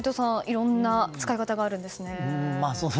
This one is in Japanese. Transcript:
いろんな使い方があるんですね。